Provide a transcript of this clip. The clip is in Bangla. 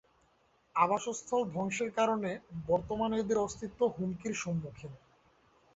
আবাসস্থল ধ্বংসের কারণে বর্তমানে এদের অস্তিত্ব হুমকির সম্মুখীন।